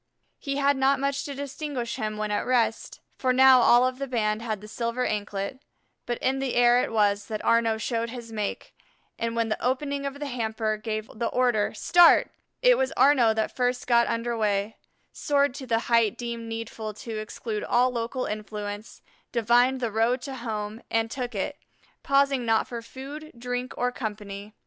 He had not much to distinguish him when at rest, for now all of the band had the silver anklet, but in the air it was that Arnaux showed his make, and when the opening of the hamper gave the order "Start," it was Arnaux that first got under way, soared to the height deemed needful to exclude all local influence, divined the road to home, and took it, pausing not for food, drink, or company.